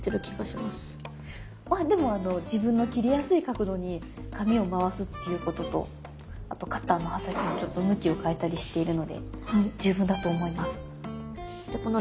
まあでも自分の切りやすい角度に紙を回すっていうこととあとカッターの刃先をちょっと向きを変えたりしているので十分だと思います。